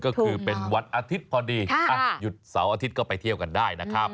ก็คือเป็นวันอาทิตย์พอดีหยุดเสาร์อาทิตย์ก็ไปเที่ยวกันได้นะครับ